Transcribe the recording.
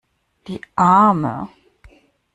Die Arme!